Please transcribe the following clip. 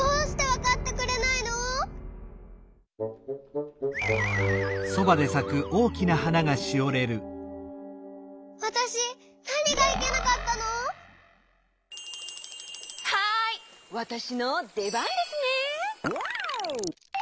はいわたしのでばんですね！